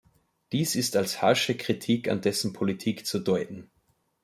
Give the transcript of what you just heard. Dies ist als harsche Kritik an dessen Politik zu deuten.